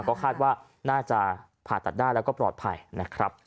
ก็คาดว่าน่าจะผ่าตัดได้แล้วก็ปลอดภัยนะครับ